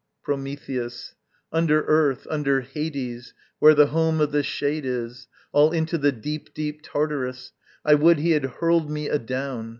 Prometheus. Under earth, under Hades Where the home of the shade is, All into the deep, deep Tartarus, I would he had hurled me adown.